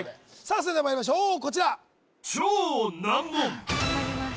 それではまいりましょうこちら頑張ります・